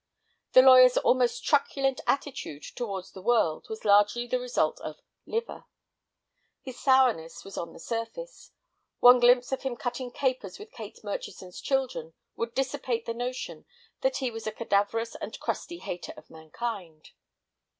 The lawyer's almost truculent attitude towards the world was largely the result of "liver"; his sourness was on the surface; one glimpse of him cutting capers with Kate Murchison's children would dissipate the notion that he was a cadaverous and crusty hater of mankind.